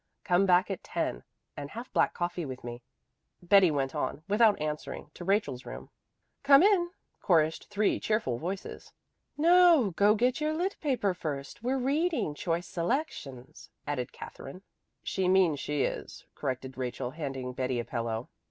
Come back at ten and have black coffee with me." Betty went on without answering to Rachel's room. "Come in," chorused three cheerful voices. "No, go get your lit. paper first. We're reading choice selections," added Katherine. "She means she is," corrected Rachel, handing Betty a pillow.